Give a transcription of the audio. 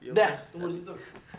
udah tunggu disitu